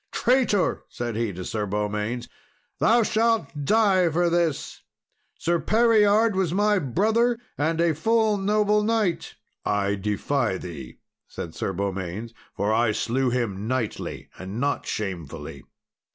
Traitor!" cried he to Sir Beaumains, "thou shalt die for this! Sir Pereard was my brother, and a full noble knight." "I defy thee," said Sir Beaumains, "for I slew him knightly and not shamefully."